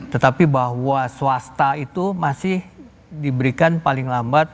tetapi bahwa swasta itu masih diberikan paling lambat